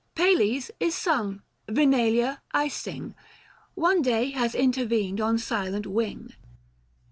Pales is sung : Vinalia I sing. One day has intervened on silent wing.